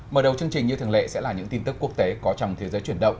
mở đầu chương trình như thường lệ sẽ là những tin tức quốc tế có trong thế giới chuyển động